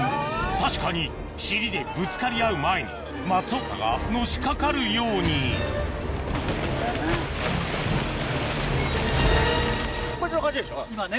確かに尻でぶつかり合う前に松岡がのしかかるように今ね。